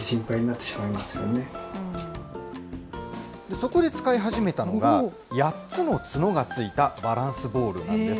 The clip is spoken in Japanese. そこで使い始めたのが、８つの角がついたバランスボールなんです。